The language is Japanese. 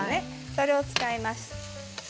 それを使います。